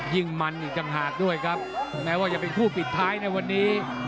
ยิ่งมันอีกต่างหากด้วยครับแม้ว่าจะเป็นคู่ปิดท้ายในวันนี้